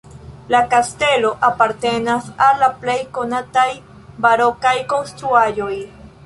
La kastelo apartenas al la plej konataj barokaj konstruaĵoj.